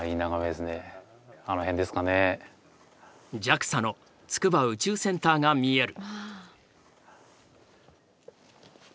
ＪＡＸＡの筑波宇宙センターが見える。